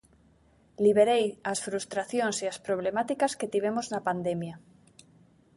Liberei as frustracións e as problemáticas que tivemos na pandemia.